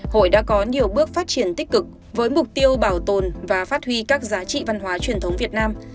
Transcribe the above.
hội đã có nhiều bước phát triển tích cực với mục tiêu bảo tồn và phát huy các giá trị văn hóa truyền thống việt nam